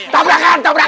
tabrakan tabrakan tabrakan